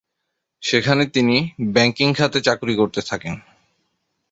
সেখানে তিনি ব্যাংকিং খাতে চাকুরী করতে থাকেন।